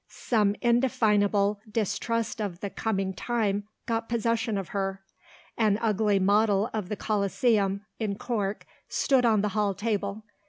Some indefinable distrust of the coming time got possession of her. An ugly model of the Colosseum, in cork, stood on the hall table.